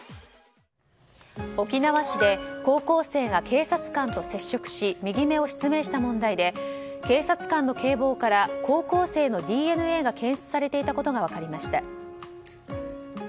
沖縄市で高校生が警察官と接触し右目を失明した問題で警察官の警棒から高校生のＤＮＡが検出されていたことが分かりました。